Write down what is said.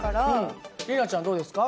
里奈ちゃんどうですか？